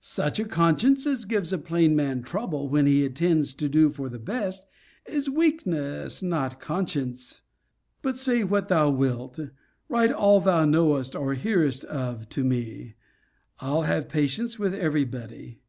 Such a conscience as gives a plain man trouble, when he intends to do for the best, is weakness, not conscience. But say what thou wilt, write all thou knowest or hearest of to me, I'll have patience with every body.